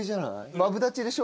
マブダチでしょ？